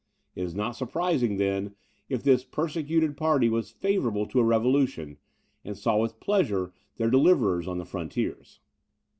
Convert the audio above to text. It is not surprising, then, if this persecuted party was favourable to a revolution, and saw with pleasure their deliverers on the frontiers.